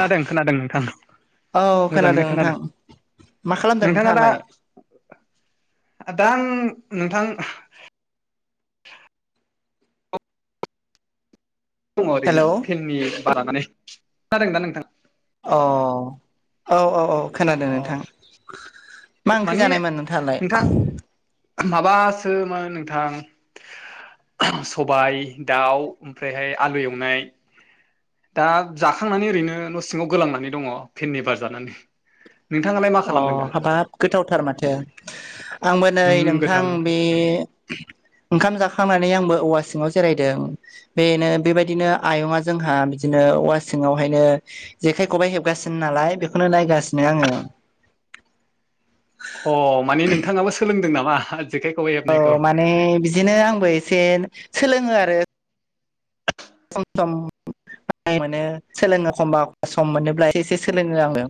खोनादों खोनादों नोंथां औ मोजाङैनो नोंथां खोनादों। मा खालामदों नोंथाङा दा नोंथाङालाय? दा आं नोंथां दङ ओरैनो हेलौ फेननि बार जानानै खोनादों ना नोंथां अ औ औ औ खोनादों अ नोंथां मा ओंख्रि मानि जानायमोन नोंथाङालाय? नोंथां माबासोमोन नोंथां। सबाइ दाउ ओमफ्रायहाय आलु एवनाय। दा जाखांनानै ओरैनो न' सिङाव गोलांनानै दङ फेननि बार जानानै। नोंथाङालाय मा अ खालामदों दा हाबाब गोथावथार माथो आंबो नै उम गोथां नोंथां बे ओंखाम जाखांनानै आंबो औवा सिङाव जिरायदों। बेनो बेबायदिनो आयंआ जोंहा बिदिनो औवा सिङाव हायनो जेखाइ खबाइ हेबगासिनो नालाय बेखौनो नायगासिनो आङो। अ माने नोंथाङाबो सोंलोंदों नामा जेखाय खबाइ हेब औ माने बिदिनो आंबो एसे सोलोङो आरो। सम सम बानाय मोनो सोलोङो एखमबा एखमब्ला सम मोनोब्ला एसे एसे सोलोङो आङो।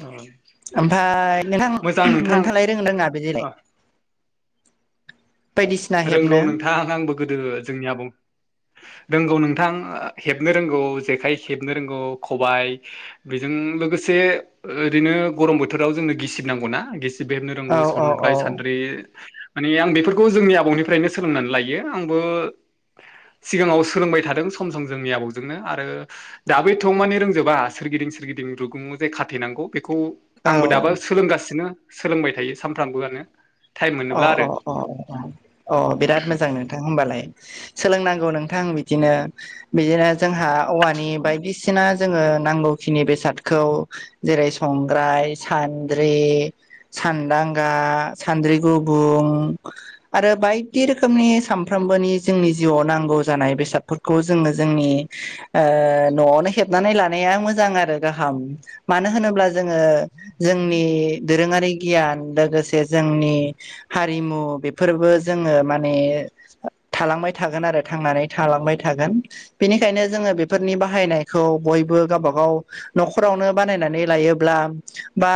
औ ओमफ्राय नोंथां नोंथांआलाय रोङोना रोङा बेदिलाय? रोंगौ हेबनो नोंथां आंबो गोदो जोंनि आबौ रोंगौ नोंथां हेबनो रोंगौ जेखाइ हेबनो रोंगौ खबाय। बेजों लोगोसे ओरैनो गरम बोथोराव जोंनो गिसिब नांगौना गिसि हेबनो औ रोंगौ औ संग्राय औ सानद्रि माने आं बेफोरखौ जोंनि आबौ आबौनिफ्रायनो सोलोंनानै लायो आंबो सिगाङाव सोलोंबाय थादों सम सम जोंनि आबौजोंनो आरो दाबो एथ' माने रोंजोबा सोरगिदिं सोरगिदिं रुगुं जे खाथेनांगौ बेखौ आंबो औ दाबो सोलोंगासिनो सोलोंबाय थायो सानफ्रामबोआनो टाइम अ मोनोब्ला आरो। अ अ अ बिराद मोजां नोंथां होमबालाय सोलोंनांगौ नोंथां बिदिनो। बिदिनो जोंहा औवानि बायदिसिना जोङो नांगौखिनि बेसादखौ जेरै संग्राय सान्द्रि सानदांगा सान्द्रि गुबुं आरो बायदि रोखोमनि सानफ्रोमबोनि जोंनि जिउआव नांगौ जानाय बेसादफोर खौ जोङो जोंनि ओ न'आवनो हेबनानै लानाया मोजां आरो गाहाम। मानो होनोब्ला जोङो जोंनि दोरोङारि गियान लोगोसे जोंनि हारिमु बेफोरबो जोङो माने थालांबाय थागोन आरो थांनानै थालांबाय थागोन। बेनिखायनो जोङो बेफोरनि बाहायनायखौ बयबो गावबागाव न'खरावनो बानायनानै लायोब्ला बा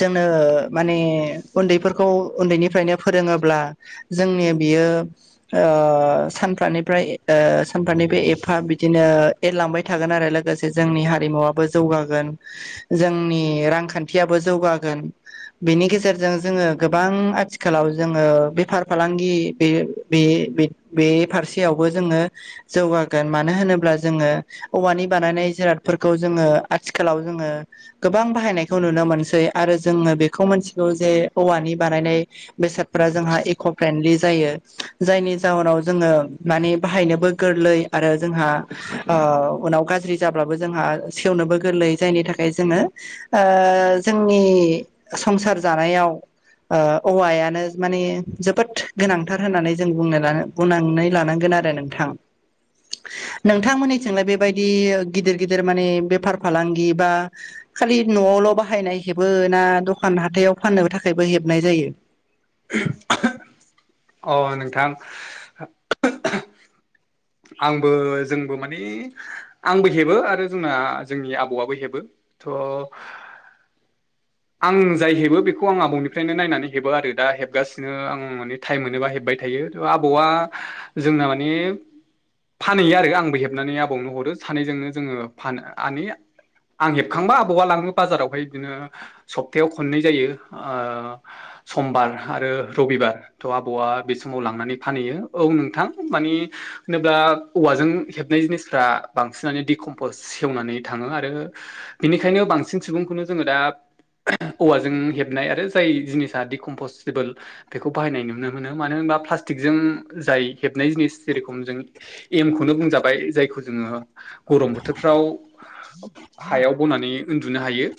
जोंनो माने उन्दैफोर खौ उन्दैनिफ्रायनो फोरोङोब्ला जोंनि बियो ओ सानफ्रानिफ्राय ओ सानफ्रानिफ्राय एफा बिदिनो एरलांबाय थागोन आरो लोगोसे जोंनि हारिमुवाबो जौगागोन। जोंनि रांखान्थियाबो जौगागोन बेनि गेजेरजों जोङो गोबां आथिखालाव जोङो बेफार फालांगि बे बे बे फारसेयावबो जोङो जौगागोन मानो होनोब्ला जोङो औवानि बानायनाय जिरादफोरखौ जोङो आथिखालाव जोङो गोबां बाहायनायखौ नुनो मोनसै आरो जोङो बेखौ मिथिगौ जे औवानि बानायनाय बेसादफोरा जोंहा इक' फ्रेन्डलि जायो जायनि जाहनाव जोङो माने बाहायनोबो गोरलै आरो जोंहा उनाव गाज्रि जाब्लाबो जोंहा सेवनोबो गोरलै जायनि थाखाय जोङो ओ जोंनि संसार जानायाव ओ औवायानो माने जोबोद गोनांथार होननानै जों बुंना बुंनानै लानांगोन आरो नों थां नोंथांमोननिथिंलाय बेबायदि गिदिर गिदिर माने बेफार फालांगि बा खालि न'आवल' बाहायनाय हेबो ना दखान हाथायाव फाननो थाखायबो हेबनाय जायो? [inaudible] अ नोंथां [inaudible] आंबो जोंबो माने आंबो हेबो आरो जोंना जोंनि आबौआबो हेबो। थ' आं जाय हेबो बेखौ आं आबौनिफ्रायनो नायनानै हेबो आरो दा हेबगासिनो आं माने टाइम मोनोबा हेबबाय थायो थ' आबौआ जोंना माने फानहैयो आरो आंबो हेबनानै आबौनो हरो सानैजोंनो जोङो फान आनैया आं हेबखांबा आबौआ लाङो बाजारावहाय बिदिनो सफथायाव खननै जायो ओ समबार आरो रबिबार थ' आबौआ बे समाव लांनानै फानहैयो औ नोंथां माने होनोब्ला औवाजों हेबनाय जिनिसफोरा बांसिनानो डिकम्पस सेवनानै थाङो आरो बेनिखायनो बांसिन सुबुंखौनो जोङो दा औवाजों हेबनाय आरो जाय जिनिसा डिकम्पसेबोल बेखौ बाहायनाय नुनो मोनो मानो होनबा प्लास्टिकजों जाय हेबनाय जिनिस जेरखम जों एम खौनो बुंजाबाय जायखौ जोङो गरम बोथोरफ्राव हायाव बनानै उन्दुनो हायो।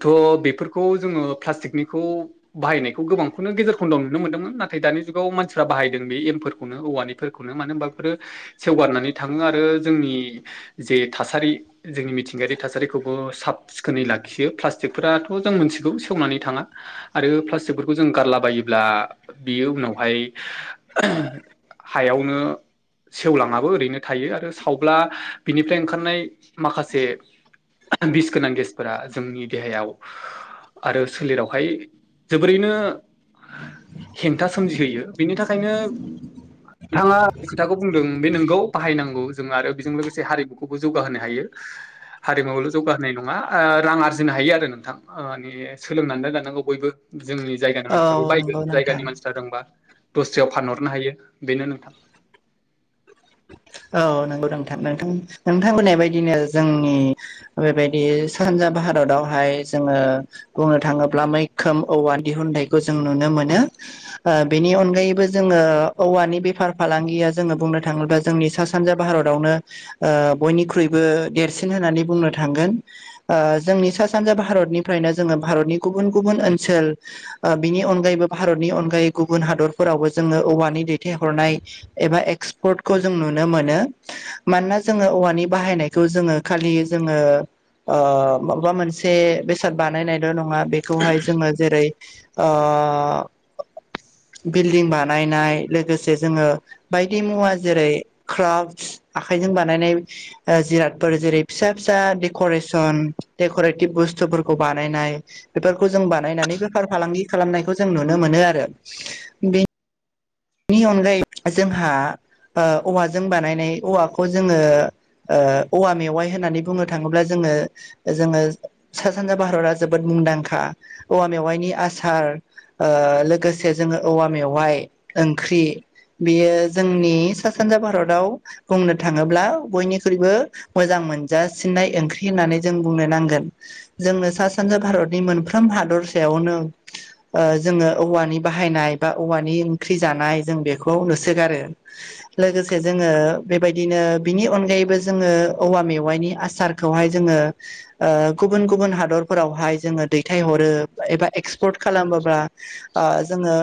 थ' बेफोरखौ जोङो प्लास्टिकनिखौ बाहायनायखौ गोबांखौनो गेजेर खन्दआव नुनो मोन्दोंमोन नाथाय दानि जुगाव मानसिफ्रा बाहायदों बे एमफोरखौनो औवानि फोरखौनो मानो ओमबाफोरो सेवगारनानै थाङो आरो जोंनि जे थासारि जोंनि मिथिंगायारि थासारिखौबो साब सिखोनै लाखियो प्लास बेफोराथ' जों मिथिगौ सेवनानै थाङा आरो प्लास्टिकफोरखौ जों गारलाबायोब्ला बियो उनावहाय हायावनो सेवलाङाबो ओरैनो थायो आरो सावब्ला बिनिफ्राय ओंखारनाय माखासे बिस गोनां गेसफोरा जोंनि देहायाव आरो सोलेरावहाय जोबोरैनो हेंथा सोमजिहोयो बेनि थाखायनो नोंथाङा खोथाखौ बुंदों बे नोंगौ बाहायनांगौ जों आरो बेजों लोगोसे हारिमुखौबो जौगाहोनो हायो। हारिमुवावल' जौगाहोनाय नङा ओ रां आर जिनो हायो आरो नोंथां ओ माने सोलोंनानै लानांगौ बयबो। जोंनि जायगानि मानसिफ्राबो औ नंगौ बायगोन नोंथां जायगानि मानसिफ्रा रोंबा दस्रायाव फानहरनो हायो बेनो नोंथां। औ नंगौ नोंथां नोंथां नोंथां बुंनाय बायदिनो जोंनि बेबायदि सानजा भारतावहाय जोङो बुंनो थाङोब्ला मैखोम औवा दिहुननायखौ जों नुनो मोनो। ओ बेनि अनगायैबो जोङो औवानि बेफार फालांगिया जोङो बुंनो थाङोब्ला जोंनि सा सानजा भारतावनो ओ बयनिख्रुइबो देरसिन होननानै बुंनो थांगोन। ओ जोंनि सा सानजा भारतनिफ्रायनो जोङो भारतनि गुबुन गुबुन ओनसोल ओ बिनि अनगायैबो भारतनि अनगायै गुबुन हादरफोरावबो जोङो औवानि दैथायहरनाय एबा एक्सपर्ट खौ जों नुनो मोनो मानोना जोङो औवानि बाहायनायखौ जोङो खालि जोङो ओ माबा मोनसे बेसाद बानायनायल' नङा बेखौहाय जोङो जेरै ओ बिल्दिं बानायनाय लोगोसे जोङो बायदि मुवा जेरै क्राफस आखाइजों बानायनाय ओ जिरादफोर जेरै फिसा फिसा देकरेसन देकरेटिभ बुस्थुफोरखौ बानायनाय बेफोरखौ जों बानायनानै बेफार फालांगि खालामनायखौ जों नुनो मोनो आरो। बे नि अनगायै जोंहा ओ औवाजों बानायनाय औवाखौ जोङो ओ औवा मेवाइ होननानै बुंनो थाङोब्ला जोङो जोङो सा सानजा भारताआ जोबोद मुंदांखा औवा मेवाइनि आसार ओ लोगोसे जोङो औवा मेवाइ ओंख्रि बियो जोंनि सा सानजा भारताव बुंनो थाङोब्ला बयनिख्रुइबो मोजां मोनजासिननाय ओंख्रि होननानै जों बुंनो नांगोन। जोंनो सा सानजा भारतनि मोनफ्रोम हादरसायावनो ओ जोङो औवानि बाहायनाय बा औवानि ओंख्रि जानाय जों बेखौ नुसोगारो। लोगोसे जोङो बेबायदिनो बिनि अनगायैबो जोङो औवा मेवाइनि आसार खौहाय जोङो गुबुन गुबुन हादरफोरावहाय जोङो दैथायहरो एबा एक्सपर्ट खालामोब्ला ओ जोङो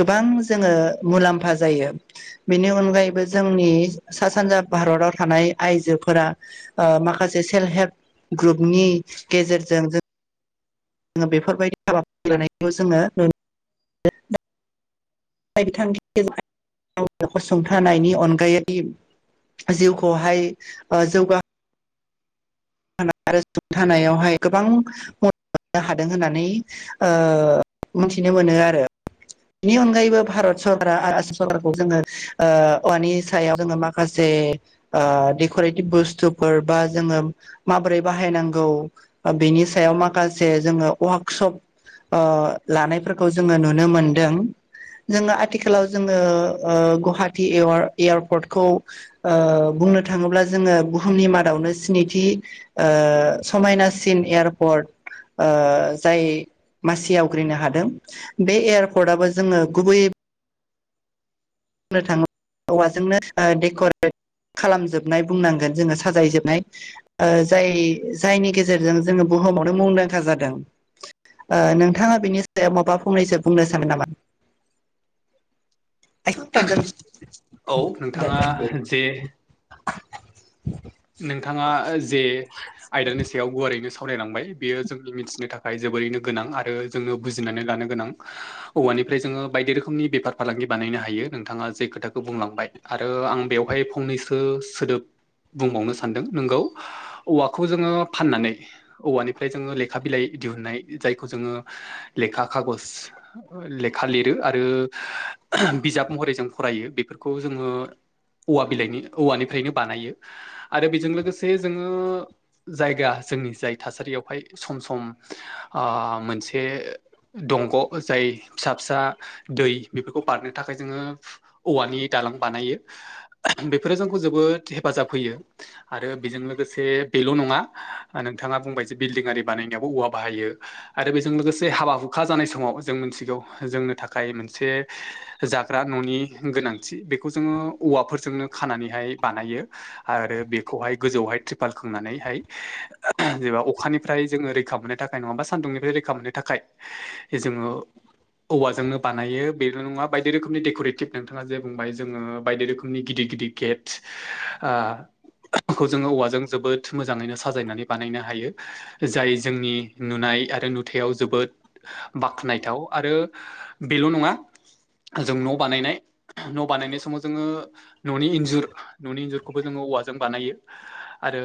गोबां जोङो मुलाम्फा जायो। बेनि अनगायैबो जोंनि सा सानजा भारताव थानाय आइजोफोरा ओ माखासे सेल्फ हेल्प ग्रुपनि गेजेरजों जों जोङो बेफोरबायदि हाबाफारि लानायखौ जोङो [unintelligible] बिथांनि [unintelligible] खौसुंथानायनि अनगायै जिउखौहाय जौगा आरो सुंथावहाय गोबां मदद मोननो हादों होननानै ओ मिनथिनो मोनो आरो बेनि अनगायैबो भारत सरकारा आसाम सरकारखौ जोङो औवानि सायाव जोङो माखासे ओ देक'रेटिभ बुस्थुफोर बा जोङो माबोरै बाहायनांगौ बेनि सायाव माखासे जोङो वार्कशप ओ लानायफोरखौ जोङो नुनो मोनदों। जोङो आथिखालाव जोङो ओ गुवाहाटी एयारपर्टखौ ओ बुंनो थाङोब्ला जोङो बुहुमनि मादावनो स्निथि ओ समायनासिन एयारपर्ट ओ जाय मासि आवग्रिनो हादों बे एयारपर्टआबो जोङो गुबै बुंनो थाङोब्ला औवाजोंनो देक'रेट खालामजोबनाय बुंनांगोन जोङो साजायजोबनाय ओ‌ जाय जायनि गेजेरजों जोङो बुहुमावनो मुंदांखा जादों। ओ नोंथाङा बिनि सायाव माबा फंनैसो बुंनो सानो नामा? औ नोंथाङा जे नोंथाङा जे आयदानि सायाव गुवारैनो सावरायलांबाय बेयो जोंनि मिथिनो थाखाय जोबोरैनो गोनां आरो जोङो बुजिनानै लानो गोनां औवानिफ्राय जोङो बायदि रोखोमनि बेफार फालांगि बानायनो हायो नोंथाङा जे खोथाखौ बुंलांबाय आरो आं बेवहाय फंनैसो सोदोब बुंबावनो सानदों नोंगौ औवाखौ जोङो फाननानै औवानिफ्राय जोङो लेखा बिलाइ दिहुननाय जायखौ जोङो लेखा खागज लेखा लिरो आरो बिजाब महरै जों फरायो बेफोरखौ जोङो औवा बिलाइनि औवानिफ्रायनो बानायो आरो बेजों लोगोसे जोङो जायगा जोंनि जाय थासारियावहाय सम सम मोनसे दंग' जाय फिसा फिसा दै बेफोरखौ बारनो थाखाय जोङो औवानि दालां बानायो बेफोरो जोंखौ जोबोद हेफाजाब होयो। आरो बेजों लोगोसे बेल' नङा नोंथाङा बुंबाय जे बिल्डिं आरि बानायनायावाबो औवा बाहायो आरो बेजों लोगोसे हाबा हुखा जानाय समाव जों मिथिगौ जोंनो थाखाय मोनसे जाग्रा न'नि गोनांथि बेखौ जोङो औवाफोरजोंनो खानानैहाय बानायो। आरो बेखौहाय गोजौहाय ट्रिपाल खांनानैहाय जेनबा अखानिफ्राय जोङो रैखा मोनो थाखाय नङाबा सान्दुंनिफ्राय रैखा मोननो थाखाय जोङो औवाजोंनो बानायो बेल' नङा बायदि रोखोमनि दक'रेटिभ नोंथाङा जे बुंबाय जोङो बायदि रोखोमनि गिदिर गिदिर गेटस खौ जोङो औवाजों जोबोद मोजाङैनो साजायनानै बानायनो हायो जाय जोंनि नुनाय आरो नुथायाव जोबोद बाख्नायथाव आरो बेल' नङा जों न' बानायनाय न' बानायनाय समाव जोङो न'नि इन्जुर न'नि इन्जुर खौबो जोङो औवाजों बानायो आरो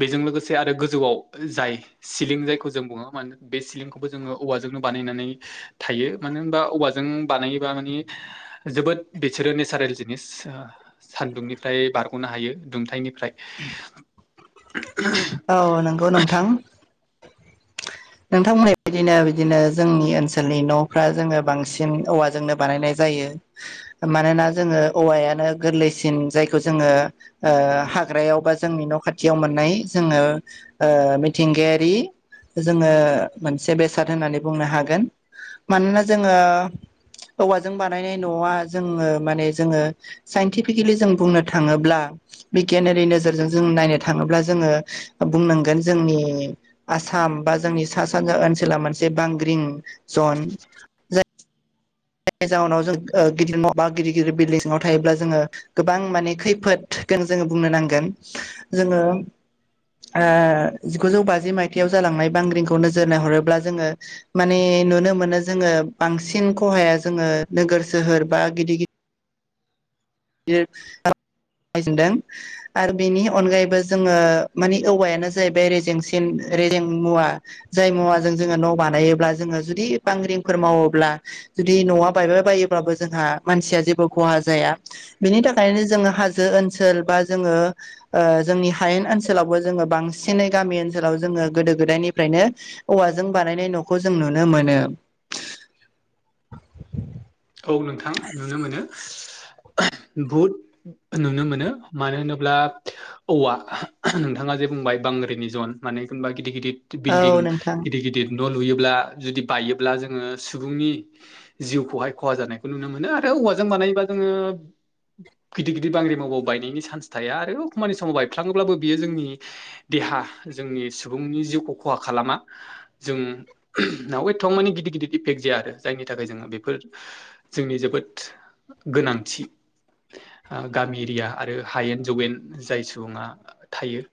बेजों लोगोसे आरो गोजौआव जाय सिलिं जायखौ जों बुङो मानो बे सिलिंखौबो जोङो औवाजोंनो बानायनानै थायो मानो होनबा औवाजों बानायोबा माने जोबोद बिसोरो नेचारेल जिनिस सान्दुंनिफ्राय बारग'नो हायो दुंथायनिफ्राय औ नंगौ नोंथां नोंथांमोनहा बेदिनो बिदिनो जोंनि ओनसोलनि न'फ्रा जोङो बांसिन औवाजोंनो बानायनाय जायो मानोना जोङो औवायानो गोरलैसिन जायखौ जोङो हाग्रायाव बा जोंनि न' खाथियाव मोननाय जोङो मिथिंगायारि जोङो मोनसे बेसाद होननानै बुंनो हागोन मानोना जोङो औवाजों बानायनाय न'आ जोङो माने जोङो साइन्टिफिकेलि जों बुंनो थाङोब्ला बिगियानारि नोजोरजों जों नायनो थाङोब्ला जोङो बुंनांगोन जोंनि आसाम बा जोंनि सा सानजा ओनसोला मोनसे बांग्रिं जन जाहउनाव जों गिदिर न' बा गिदिर गिदिर बिलदिआव थायोब्ला जोङो गोबां माने खैफोदखौनो जोङो बुंनो नांगोन जोङो ओ जिगुजौ बाजि माइथायाव जालांनाय बांग्रिंखौ नोजोर नायहरोब्ला जोङो माने नुनो मोनो जोङो बांसिन खहाया जोङो नोगोर सोहोर बा गिदिर [unintelligible] आरो बेनि अनगायैबो जोङो मानि औवायानो जाहैबाय रेजेंसिन रेजें मुवा। जाय मुवाजों जोङो न' बानायोब्ला जोङो जुदि बांग्रिंफोर मावोब्ला जुदि न'आ बायबाय बायोब्लाबो जोंहा मानसिया जेबो खहा जाया। बिनि थाखायनो जोङो हाजो ओनसोल बा जोङो ओ‌ जोंनि हायेन ओनसोलावबो जोङो बांसिनै गामि ओनसोलाव जोङो गोदो गोदायनिफ्रायनो औवाजों बानायनाय न'खौ जों नुनो मोनो। औ नोंथां नुनो मोनो। [inaudible] बुद नुनो मोनो मानो होनोब्ला औवा नोंथाङा जे बुंबाय बांग्रिनि जन माने एखबा गिदिर गिदिर बिल्डिं औ नोंथां गिदिर गिदिर न' लुयोब्ला जुदि बायोब्ला जोङो सुबुंनि जिउखौहाय खहा जानायखौ नुनो मोनो आरो औवाजों बानायोबा जोङो गिदिर गिदिर बांग्रि मावबाबो बायनायनि सान्स थाया आरो खानि समाव बायफ्लाङोब्लाबो बियो जोंनि देहा जोंनि सुबुंनि जिउखौ खहा खालामा जोंनाव एथबां माने गिदिर गिदिर इफेक्ट जाया आरो जायनि थाखाय जोङो बेफोर जोंनि जोबोद गोनांथि। ओ गामि एरिया आरो हायेन जगेन जाय सुबङा थायो।